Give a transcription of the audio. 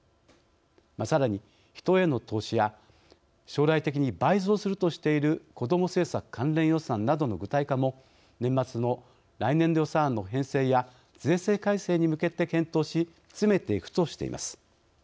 さらに、人への投資や将来的に倍増するとしている子ども政策関連予算などの具体化も年末の来年度予算案の編成や税制改正に向けて検討し詰めていくとしています。